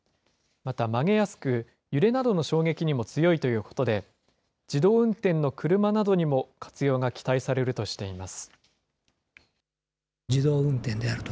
また曲げやすく、揺れなどの衝撃にも強いということで、自動運転の車などにも活用が期待されるとしています。